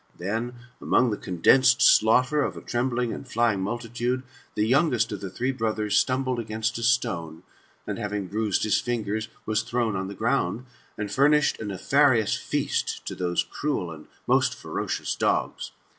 Then, among the condensed slaughter of a trembling and flying multitude, the youngest of the three brothers stumbled against a stone, and, haying bruised his fingers, was thrown on 164 THB MSTAMOHPHOSIS, Olt the ground, and furnished a nefarious feast to those cruel and ferocious dogs.